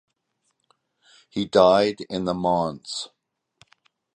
He died in the manse.